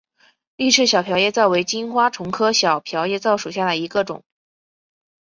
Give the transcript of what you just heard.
丽翅小瓢叶蚤为金花虫科小瓢叶蚤属下的一个种。